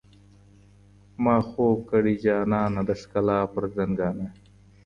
ما خوب كړئ جانانه د ښكلا پر ځـنـګانــه